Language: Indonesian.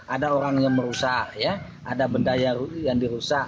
ada orang yang merusak ada benda yang dirusak